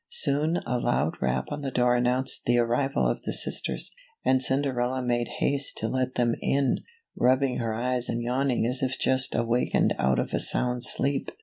Soon a loud rap on the door announced the arrival of the sisters, and Cinderella made haste to let them in, rubbing her eyes and yawning as if just awakened out of a sound sleep.